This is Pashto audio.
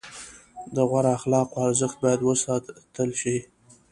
د غوره اخلاقو ارزښت باید وساتل شي.